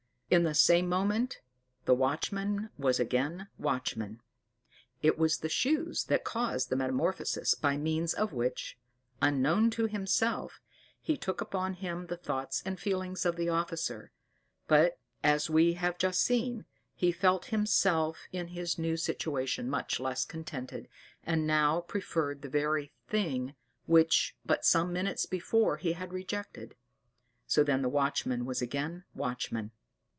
In the same moment the watchman was again watchman. It was the shoes that caused the metamorphosis by means of which, unknown to himself, he took upon him the thoughts and feelings of the officer; but, as we have just seen, he felt himself in his new situation much less contented, and now preferred the very thing which but some minutes before he had rejected. So then the watchman was again watchman.